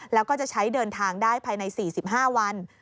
แล้วก็จะใช้เดินทางได้ภายใน๔๕วัน